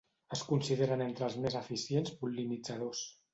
Es consideren entre els més eficients pol·linitzadors.